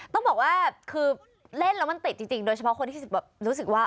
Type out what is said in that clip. ต้องบอกว่าคือเล่นแล้วมันติดจริงโดยเฉพาะคนที่รู้สึกว่า